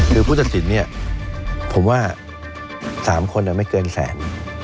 คือผู้ตัดสินเนี่ยผมว่า๓คนไม่เกินแสน